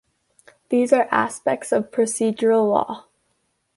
These are aspects of procedural law.